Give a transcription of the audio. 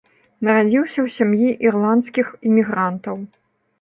Нарадзіўся ў сям'і ірландскіх імігрантаў.